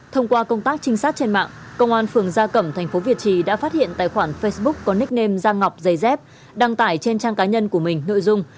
thông qua công tác trinh sát trên mạng công an phường gia cẩm thành phố việt trì đã phát hiện tài khoản facebook có nickname da ngọc giày dép đăng tải trên trang cá nhân của mình nội dung